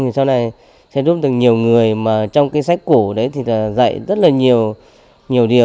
thì sau này sẽ giúp được nhiều người mà trong cái sách cổ đấy thì là dạy rất là nhiều nhiều điều